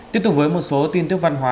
tiếp tục với một số tin tức văn hóa